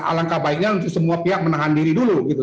alangkah baiknya untuk semua pihak menahan diri dulu gitu